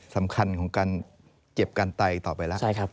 สำคัญของการเจ็บการไตต่อไปแล้ว